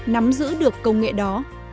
nắm giữ được công nghệ đó